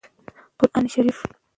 قران شريف